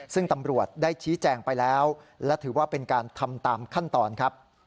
ซึ่งตำรวจได้ชี้แจงไปแล้วและถือว่าเป็นการทำตามขั้นตอนครับ